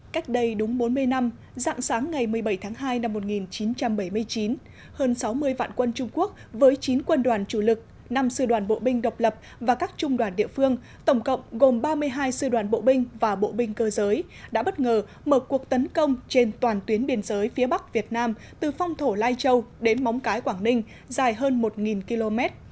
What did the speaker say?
cách đây đúng bốn mươi năm dạng sáng ngày một mươi bảy tháng hai năm một nghìn chín trăm bảy mươi chín hơn sáu mươi vạn quân trung quốc với chín quân đoàn chủ lực năm sư đoàn bộ binh độc lập và các trung đoàn địa phương tổng cộng gồm ba mươi hai sư đoàn bộ binh và bộ binh cơ giới đã bất ngờ mở cuộc tấn công trên toàn tuyến biên giới phía bắc việt nam từ phong thổ lai châu đến móng cái quảng ninh dài hơn một km